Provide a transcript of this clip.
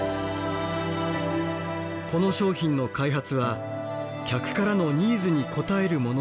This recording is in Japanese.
この商品の開発は客からのニーズに応えるものでもありました。